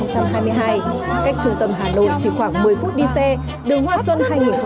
cách trung tâm hà nội chỉ khoảng một mươi phút đi xe đường hoa xuân hai nghìn một mươi chín